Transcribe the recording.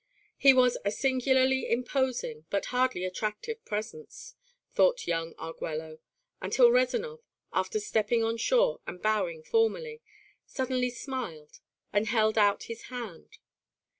It was a singularly imposing but hardly attractive presence, thought young Arguello, until Rezanov, after stepping on shore and bowing formally, suddenly smiled and held out his hand.